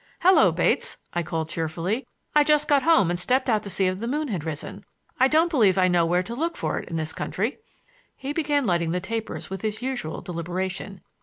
"Hello, Bates," I called cheerfully. "I just got home and stepped out to see if the moon had risen. I don't believe I know where to look for it in this country." He began lighting the tapers with his usual deliberation.